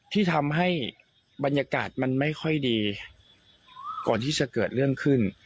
ที่ทำให้บรรยากาศมันไม่ค่อยดีก่อนที่จะเกิดเรื่องขึ้น